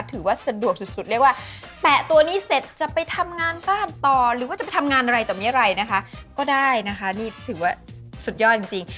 ถือว่าสะดวกสุดเรียกว่าแปะตัวนี้เสร็จจะไปทำงานบ้านต่อหรือว่าจะไปทำงานอะไรต่อไม่ไรนะคะก็ได้นะคะนี่ถือว่าสุดยอดจริง